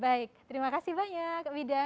baik terima kasih banyak wida